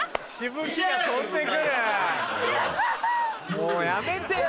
もうやめてよ。